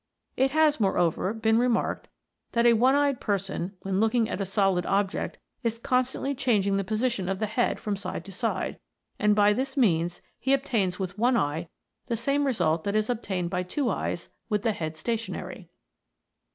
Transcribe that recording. It has, moreover, been remarked that a one eyed person when looking at a solid object is constantly changing the position of the head from side to side, and by this means he obtains with one eye the same result that is obtained by two eyes with the head stationary.